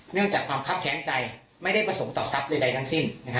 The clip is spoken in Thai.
จากความคับแค้นใจไม่ได้ประสงค์ต่อทรัพย์ใดทั้งสิ้น